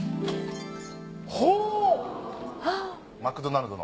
ほう！